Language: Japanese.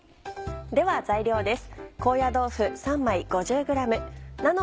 では材料です。